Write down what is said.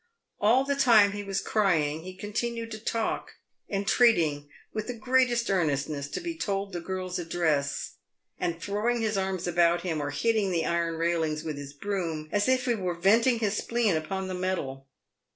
All the time he was crying he continued to talk, entreating, with the greatest earnestness, to be told the girl's address, and throwing his arms about him, or hitting the iron railings 124 PAVED WITH GOLD. with his broom, as if lie was venting his spleen upon the metal.